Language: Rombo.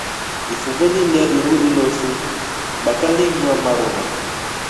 Ifuve lilya iru ilosuBaka ilinywa maruva.